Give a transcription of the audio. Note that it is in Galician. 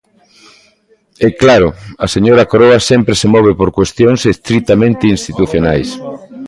E, claro, a señora Coroa sempre se move por cuestións estritamente institucionais.